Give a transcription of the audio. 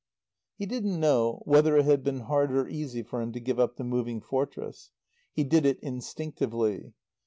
He didn't know whether it had been hard or easy for him to give up the Moving Fortress. He did it instinctively.